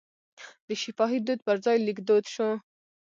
د شفاهي دود پر ځای لیک دود شو.